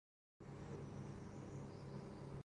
جبکہ فوکر جہاز میں یہ سفر پینتایس منٹ پر مشتمل ہے ۔